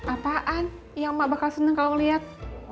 apaan yang mak bakal senang kalau lihat